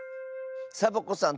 サボ子さん